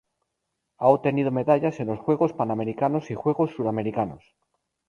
Ha obtenido medallas en los Juegos Panamericanos y Juegos Suramericanos.